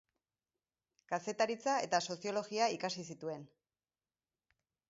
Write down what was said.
Kazetaritza eta soziologia ikasi zituen.